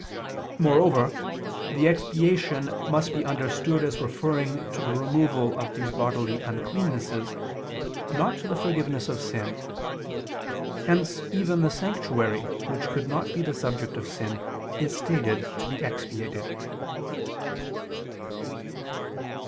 Moreover, the expiation must be understood as referring to the removal of these bodily uncleannesses, not to the forgiveness of sin. Hence even the sanctuary which could not be the subject of sin is stated to be expiated.